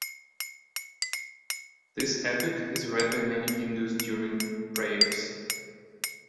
This epic is read by many Hindus during prayers.